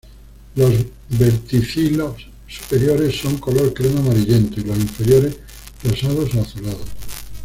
Los verticilos superiores son color crema amarillento y los inferiores rosados o azulados.